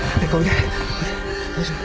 大丈夫？